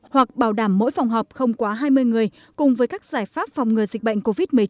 hoặc bảo đảm mỗi phòng họp không quá hai mươi người cùng với các giải pháp phòng ngừa dịch bệnh covid một mươi chín